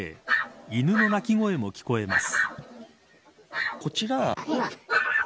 犬の鳴き声も聞こえます。